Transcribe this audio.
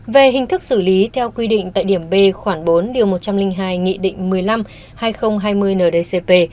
về hình thức xử lý theo quy định tại điểm b khoảng bốn một trăm linh hai nghị định một mươi năm hai nghìn hai mươi ndcp